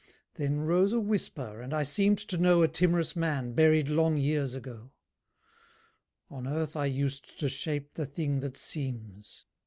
Then rose a whisper, and I seemed to know A timorous man, buried long years ago. "On Earth I used to shape the Thing that seems.